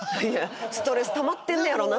ストレスたまってんのやろな。